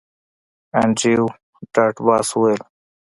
انډریو ډاټ باس وویل